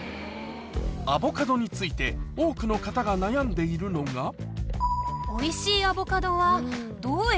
アボカドについて多くの方が悩んでいるのが「分からない」。